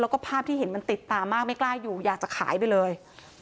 แล้วก็ภาพที่เห็นมันติดตามากไม่กล้าอยู่อยากจะขายไปเลย